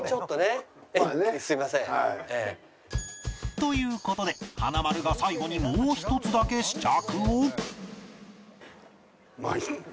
という事で華丸が最後にもう一つだけ試着を